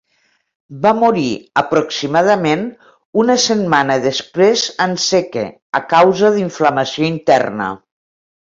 Va morir aproximadament una setmana després en Cseke, a causa d'inflamació interna.